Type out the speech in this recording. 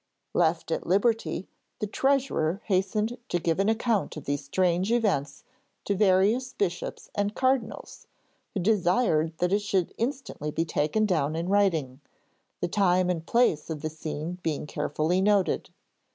Left at liberty the treasurer hastened to give an account of these strange events to various bishops and cardinals, who desired that it should instantly be taken down in writing, the time and place of the scene being carefully noted.